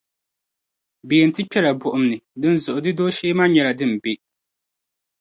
Bɛ yɛn ti kpɛla buɣum ni, dinzuɣu di dooshee maa nyɛla din be.